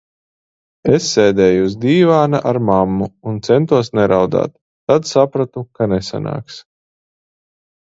Es sēdēju uz dīvāna ar mammu un centos neraudāt, tad sapratu, ka nesanāks.